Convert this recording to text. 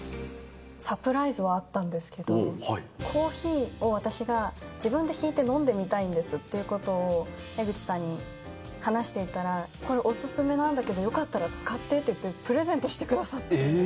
サプライズがあったんですけど、コーヒーを私が自分でひいて飲んでみたいんですっていうことを江口さんに話していたら、これ、お勧めなんだけど、よかったら使ってて言って、プレゼントしてくださって。